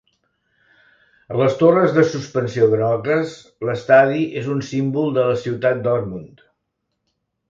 Amb les torres de suspensió grogues, l'estadi és un símbol de la ciutat Dortmund.